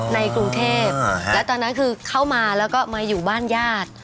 ในกรุงเทพแล้วตอนนั้นคือเข้ามาแล้วก็มาอยู่บ้านญาติ